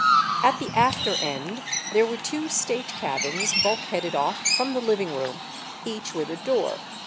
At the after end there were two state cabins bulk headed off from the living room, each with a door.